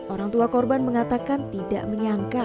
orang tua korban mengatakan tidak menyangka